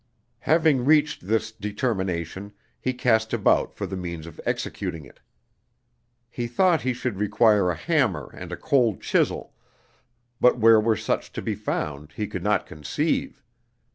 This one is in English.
Having reached this determination, he cast about for the means of executing it. He thought he should require a hammer and a cold chisel, but where such were to be found he could not conceive.